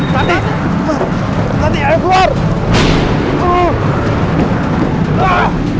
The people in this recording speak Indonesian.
pak ada dokter nggak